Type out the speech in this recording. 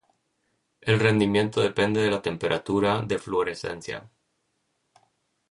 El rendimiento depende de la temperatura de fluorescencia.